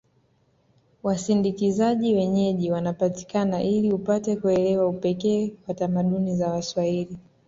Wasindikizaji wenyeji wanapatikana ili upate kuelewa upekee wa tamaduni za waswahili